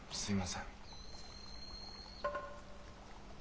すいません。